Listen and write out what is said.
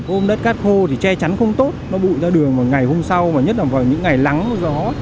xe chắn không tốt nó bụi ra đường vào ngày hôm sau nhất là vào những ngày lắng gió